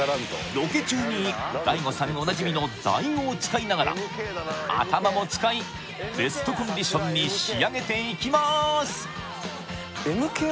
ロケ中にＤＡＩＧＯさんおなじみのＤＡＩ語を使いながら頭も使いベストコンディションに仕上げていきます！